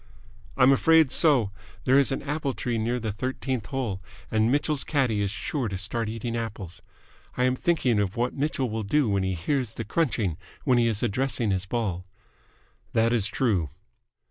"I'm afraid so. There is an apple tree near the thirteenth hole, and Mitchell's caddie is sure to start eating apples. I am thinking of what Mitchell will do when he hears the crunching when he is addressing his ball." "That is true."